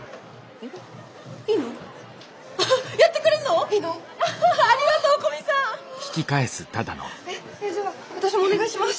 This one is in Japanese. えっじゃあ私もお願いします！